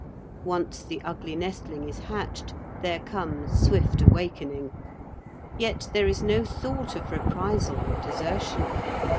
Once the ugly nestling is hatched, there comes swift awakening. Yet there is no thought of reprisal or desertion.